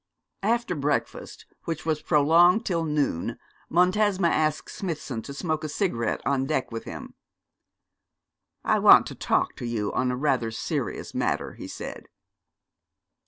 After breakfast, which was prolonged till noon, Montesma asked Smithson to smoke a cigarette on deck with him. 'I want to talk to you on a rather serious matter,' he said.